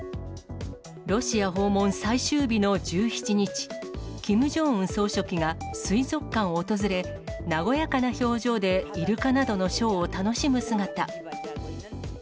ロシア訪問最終日の１７日、キム・ジョンウン総書記が水族館を訪れ、和やかな表情でイルカなどのショーを楽しむ姿。